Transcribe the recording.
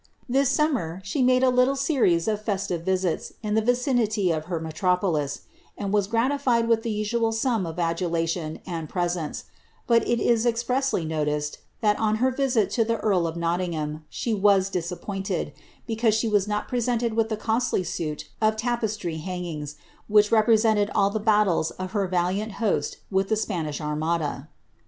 This summer, she made a little series of festive visits in the vicinity of her metropolis, and was gratified with the usual sum of adulation and presents, but it is expressly noticed, that, on her visit to the earl of Not tingham, she was disappointed, because she was not presented with the costly suit of tapestry hangings, which represented all the battles of her Taliant host with the Spanish Armada.